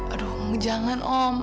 aduh jangan om